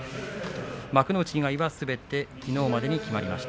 幕内以外はすべてきのうまでに決まりました。